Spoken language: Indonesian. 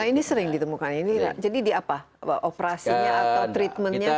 nah ini sering ditemukan ini jadi di apa operasinya atau treatmentnya